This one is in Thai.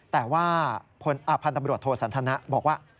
แต่ว่าพันธบรวจโทสันธนะบอกว่า